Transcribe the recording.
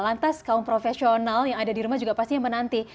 lantas kaum profesional yang ada di rumah juga pasti yang menanti